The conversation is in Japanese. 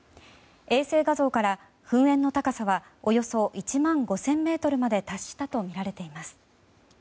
衛星画像から、噴煙の高さはおよそ１万５０００ｍまで達したとみられています。